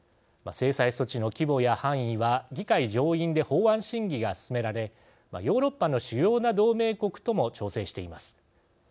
制裁措置の規模や範囲は議会上院で法案審議が進められヨーロッパの主要な同盟国とも調整しています。